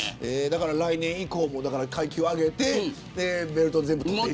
来年以降は階級を上げてベルトを取っていく。